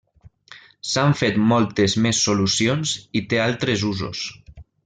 S'han fet moltes més solucions i té altres usos.